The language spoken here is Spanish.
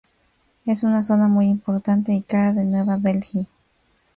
Es una zona muy importante y cara de Nueva Delhi.